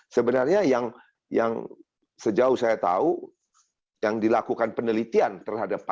sebenarnya yang sejauh saya tahu yang dilakukan penelitian terhadap